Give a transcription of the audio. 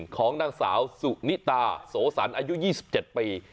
ของนางสาวสุนิตาโสสันอายุ๒๗ปี